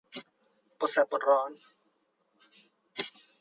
ปวดแสบปวดร้อน